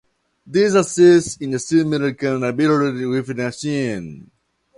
This assists in assuring accountability within the team.